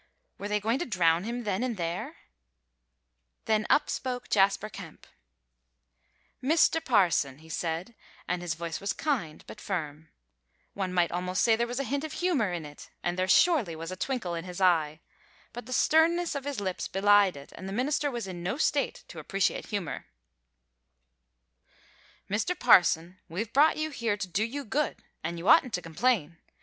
Were they going to drown him then and there? Then up spoke Jasper Kemp: "Mr. Parson," he said, and his voice was kind but firm; one might almost say there was a hint of humor in it, and there surely was a twinkle in his eye; but the sternness of his lips belied it, and the minister was in no state to appreciate humor "Mr. Parson, we've brought you here to do you good, an' you oughtn't to complain.